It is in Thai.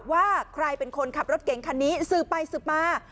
ว่าใครเป็นคนขับรถเก่งคันนี้สืบไปสืบมา